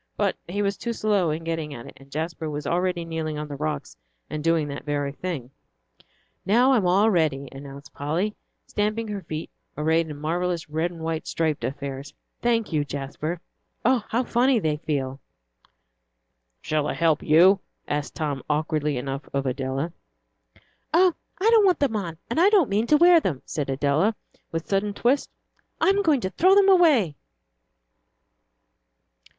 But he was too slow in getting at it, and Jasper was already kneeling on the rocks and doing that very thing. "Now I'm all ready," announced Polly, stamping her feet, arrayed in marvellous red and white striped affairs. "Thank you, Jasper. Oh, how funny they feel!" "Shall I help you?" asked Tom, awkwardly enough, of Adela. "Oh, I don't want them on, and I don't mean to wear them," said Adela, with a sudden twist. "I'm going to throw them away."